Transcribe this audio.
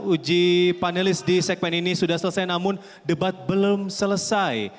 uji panelis di segmen ini sudah selesai namun debat belum selesai